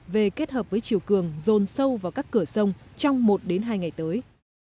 về kết hợp với chiều cường rồn sâu vào các cửa sông trong một hai ngày tới